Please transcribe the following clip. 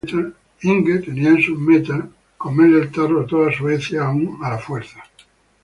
Inge tenía en sus metas cristianizar toda Suecia aun a la fuerza.